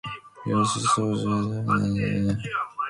He also sold goods at Castleford and Wakefield markets.